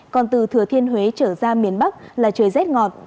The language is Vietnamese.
còn từ thừa thiên huế trở ra miền bắc là trời rét ngọt